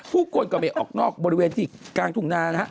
ผู้โค้ลกะเมษออกนอกบริเวณที่กลางถุงนาฮะ